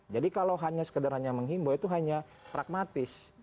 jadi kalau hanya sekedar hanya mengimbau itu hanya pragmatis